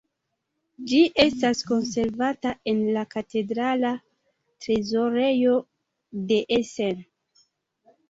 Ĝi estas konservata en la katedrala trezorejo de Essen.